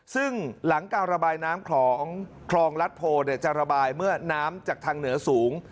ซึ่งหลังการระบายน้ำของคลองรัฐโพจะระบายเมื่อน้ำจากทางเหนือสูง